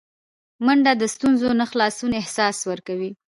منډه د ستونزو نه خلاصون احساس ورکوي